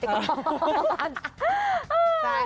จริง